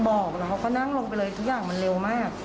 บอกแล้วเขาก็นั่งลงไปเลยทุกอย่างมันเร็วมาก